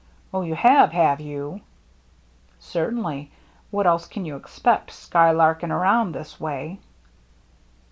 " Oh, you have, have you ?"" Certainly. What else can you expect, skylarking around this way?"